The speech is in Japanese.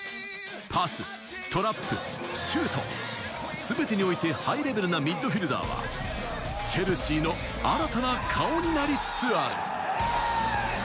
パス、トラップ、シュート、全てにおいてハイレベルなミッドフィルダーは、チェルシーの新たな顔になりつつある。